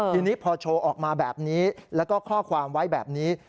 ทีนี้พอโชว์ออกมาแบบนี้แล้วก็ข้อความไว้แบบนี้